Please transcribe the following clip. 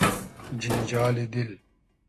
جینجالی دیل